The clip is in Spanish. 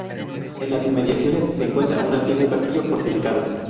En las inmediaciones se encuentra un antiguo castro fortificado.